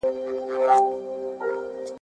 مرګ له خپله لاسه `